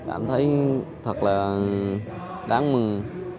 em thấy thật là đáng mừng